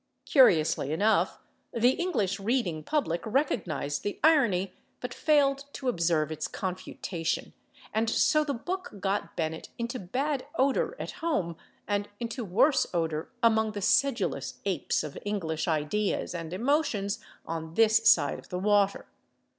Curiously enough, the English reading public recognized the irony but failed to observe its confutation, and so the book got Bennett into bad odor at home, and into worse odor among the sedulous apes of English ideas and emotions on this side of the water.